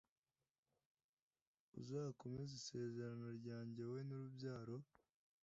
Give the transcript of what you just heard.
uzakomeze isezerano ryanjye wowe n urubyaro